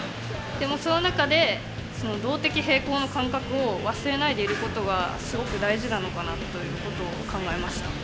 でもその中でその動的平衡の感覚を忘れないでいる事がすごく大事なのかなという事を考えました。